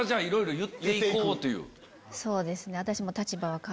そうですね私も。